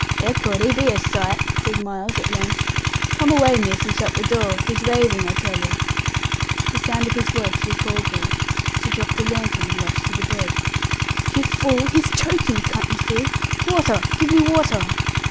"Ecod, he be a sight!" says Miles, at length. "Come away, miss, and shut the door. He's raving, I tell yer." The sound of his voice recalled her. She dropped the lantern, and rushed to the bed. "You fool; he's choking, can't you see? Water! give me water!"